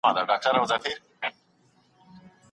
خپل شاوخوا محیط په سمه توګه وکاروئ.